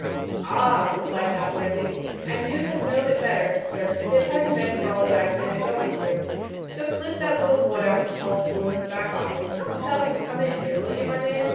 'Ah!' replied that worthy, 'and you'd have know'd it better, sir, if it hadn't been for all that I've been a going through. Just lift that little boy off the tall stool in the back office, and tell him to come in here, will you, my man?